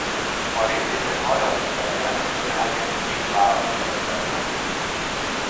A részvételi hajlandóság jelentősen eltért a két választókerületben.